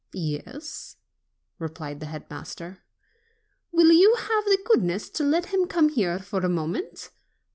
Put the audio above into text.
"Yes," replied the head master. "Will you have the goodness to let him come here for a moment?